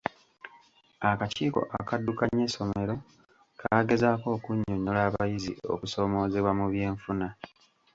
Akakiiko akaddukanya essomero kaagezaako okunnyonnyola abayizi okuzoomoozebwa mu byenfuna.